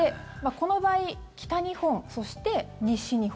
この場合北日本、そして西日本